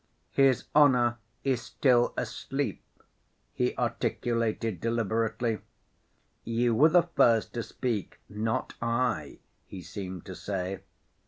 "His honor is still asleep," he articulated deliberately ("You were the first to speak, not I," he seemed to say).